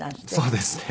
そうですね。